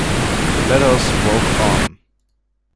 Let us walk on.